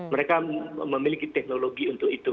mereka memiliki teknologi untuk itu